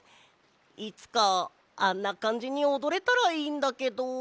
いつかあんなかんじにおどれたらいいんだけど。